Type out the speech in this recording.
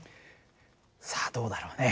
さあどうだろうね？